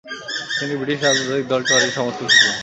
তিনি ব্রিটিশ রাজনৈতিক দল টরি'র সমর্থক ছিলেন।